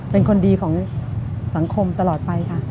เป็นคนดีของสังคมตลอดไปค่ะ